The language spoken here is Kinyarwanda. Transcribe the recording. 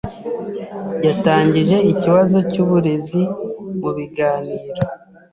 Yatangije ikibazo cyuburezi mubiganiro.